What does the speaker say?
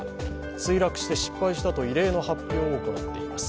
墜落して失敗したと異例の発表を行っています。